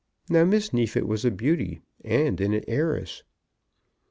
Now Miss Neefit was a beauty and an heiress.